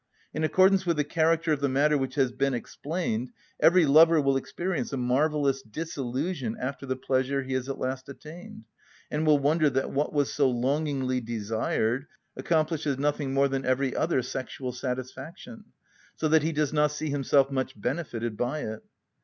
In accordance with the character of the matter which has been explained, every lover will experience a marvellous disillusion after the pleasure he has at last attained, and will wonder that what was so longingly desired accomplishes nothing more than every other sexual satisfaction; so that he does not see himself much benefited by it.